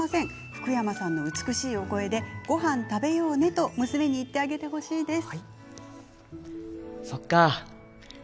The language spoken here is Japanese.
福山さんの美しいお声でごはん食べようねと娘に言ってほしいです。